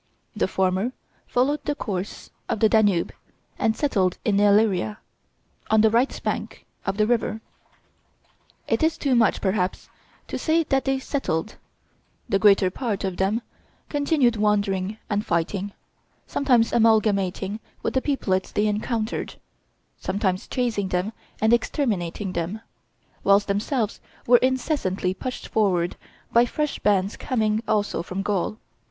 The former followed the course of the Danube and settled in Illyria, on the right bank of the river. It is too much, perhaps, to say that they settled; the greater part of them continued wandering and fighting, sometimes amalgamating with the peoplets they encountered, sometimes chasing them and exterminating them, whilst themselves were incessantly pushed forward by fresh bands coming also from Gaul.